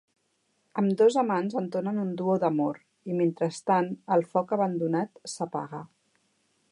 Ambdós amants entonen un duo d'amor, i mentrestant el foc abandonat s'apaga.